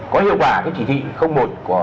có hiệu quả các chỉ thị một của